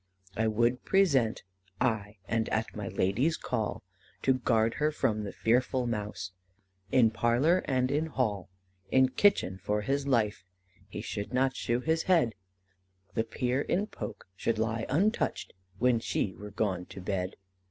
"I would be present, aye, And at my Ladie's call, To gard her from the fearfull mouse, In Parlour and in Hall; In Kitchen, for his Lyfe, He should not shew his hed; The Peare in Poke should lie untoucht When shee were gone to Bed.